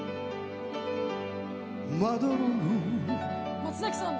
松崎さんだ。